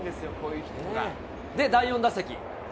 で、第４打席。